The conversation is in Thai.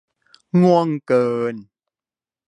ง่วงเกิน